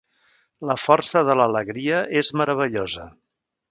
La força de l'alegria és meravellosa.